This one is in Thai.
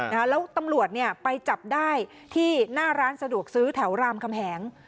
แล้วตำรวจเนี่ยไปจับได้ที่หน้าร้านสะดวกซื้อแถวรามคำแหง